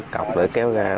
cọc để kéo ra